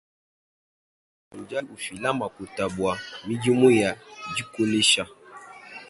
Banque mondiale udi ufila makuta bua midimu ya dikolesha.